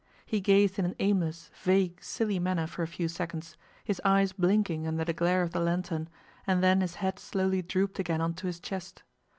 He gazed in an aimless, vague, silly manner for a few seconds, his eyes blinking under the glare of the lantern, and then his head slowly drooped again on to his chest.